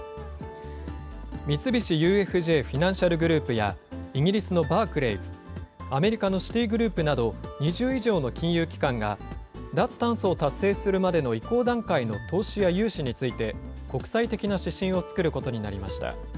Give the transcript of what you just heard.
三菱ＵＦＪ・フィナンシャル・グループや、イギリスのバークレイズ、アメリカのシティグループなど、２０以上の金融機関が、脱炭素を達成するまでの移行段階の投資や融資について、国際的な指針を作ることになりました。